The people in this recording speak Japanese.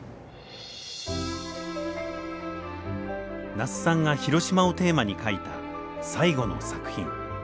那須さんがヒロシマをテーマに書いた最後の作品。